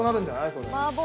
それ。